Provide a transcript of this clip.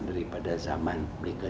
daripada zaman mereka